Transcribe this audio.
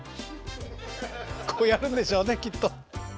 こうやるんでしょうねきっと。